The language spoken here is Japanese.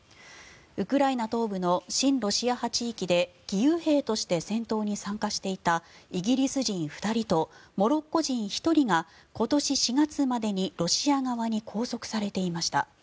ウクライナ東部の親ロシア派地域で義勇兵として戦闘に参加していたイギリス人２人とモロッコ人１人が今年４月までにロシア側に拘束されていました。